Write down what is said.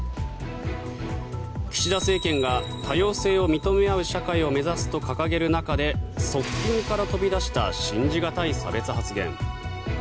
岸田政権が多様性を認め合う社会を目指すと掲げる中で側近から飛び出した信じ難い差別発言。